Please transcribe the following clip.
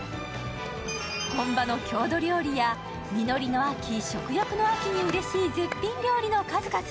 本場の郷土料理や実りの秋・食欲の秋にうれしい絶品料理の数々。